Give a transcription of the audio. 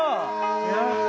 やった。